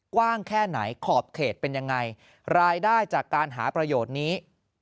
กว้างแค่ไหนขอบเขตเป็นยังไงรายได้จากการหาประโยชน์นี้